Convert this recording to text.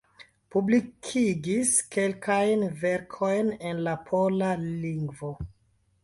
Publikigis kelkajn verkojn en la pola lingvo.